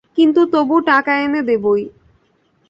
কিন্তু তবু টাকা এনে দেবই।